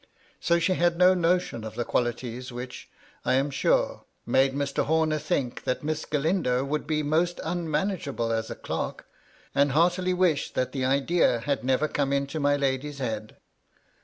So she had no notion of the qualities which, I am sure, made Mr. Homer think that Miss Galindo would be most unmanageable as a clerk, and heartily wish that the idea had never come into my lady's head.